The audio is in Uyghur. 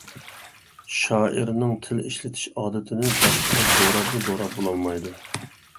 شائىرنىڭ تىل ئىشلىتىش ئادىتىنى باشقىلار دوراپمۇ دوراپ بولالمايدۇ.